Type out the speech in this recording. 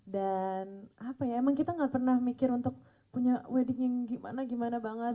dan apa ya emang kita gak pernah mikir untuk punya wedding yang gimana gimana banget